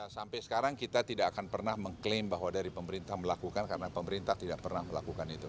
sampai sekarang kita tidak akan pernah mengklaim bahwa dari pemerintah melakukan karena pemerintah tidak pernah melakukan itu